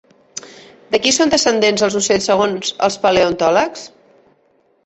De qui són descendents els ocells segons els paleontòlegs?